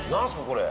これ。